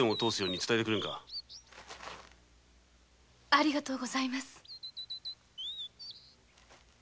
ありがとうございます。